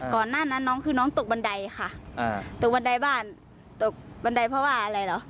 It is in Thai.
ก่อนหน้านั้นน้องคือน้องตกบันไดค่ะอ่าตกบันไดบ้านตกบันไดเพราะว่าอะไรเหรอ